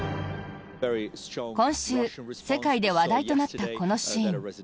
今週、世界で話題となったこのシーン。